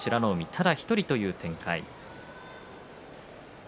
ただ１人という展開。